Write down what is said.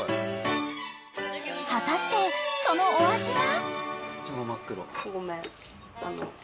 ［果たしてそのお味は？］